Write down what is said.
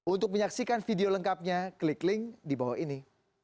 untuk menyaksikan video lengkapnya klik link di bawah ini